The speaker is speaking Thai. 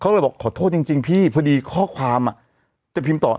เขาเลยบอกขอโทษจริงพี่พอดีข้อความอ่ะจะพิมพ์ต่อ